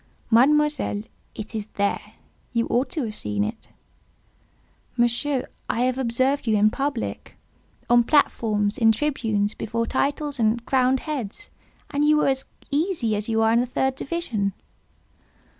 "Mademoiselle, it is there. You ought to have seen it." "Monsieur, I have observed you in public—on platforms, in tribunes, before titles and crowned heads—and you were as easy as you are in the third division."